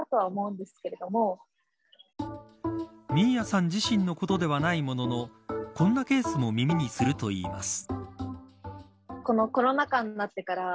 ｍｉ−ｙａさん自身のことではないもののこんなケースも耳にするといいます。